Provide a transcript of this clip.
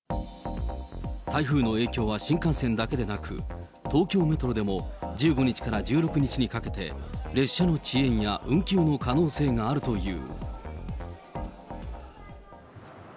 台風の影響は新幹線だけでなく、東京メトロでも、１５日から１６日にかけて、列車の遅延や運休の可能性があるという。